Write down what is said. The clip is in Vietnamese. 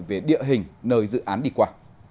về địa hình nơi dự án đi qua